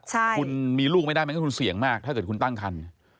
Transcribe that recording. คุณมีลูกไม่ได้มันก็คุณเสี่ยงมากถ้าเกิดคุณตั้งคัน